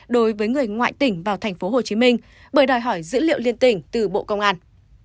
đối với người ngoại tỉnh vào tp hcm bởi đòi hỏi dữ liệu liên tỉnh từ bộ công an